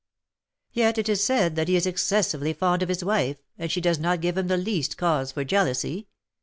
"Yet it is said that he is excessively fond of his wife, and she does not give him the least cause for jealousy.